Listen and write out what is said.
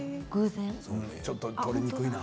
ちょっと撮りにくいな。